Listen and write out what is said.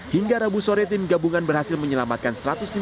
hingga rabu sore tim gabungan berhasil menemukan penyelam penyelam